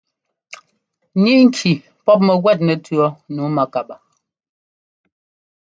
Ŋíʼ nci pɔ́p mɛguɛt nɛtʉ̈ɔ nǔu mákabaa.